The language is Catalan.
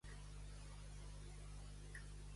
Comprar un nen.